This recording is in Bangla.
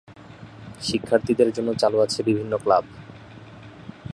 শিক্ষার্থীদের জন্য চালু আছে বিভিন্ন ক্লাব।